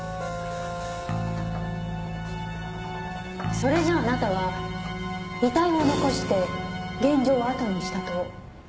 それじゃあなたは遺体を残して現場をあとにしたと？